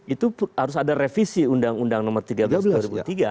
itu harus ada revisi undang undang nomor tiga belas tahun dua ribu tiga